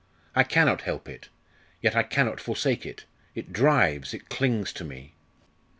I cannot help it, yet I cannot forsake it; it drives, it clings to me!"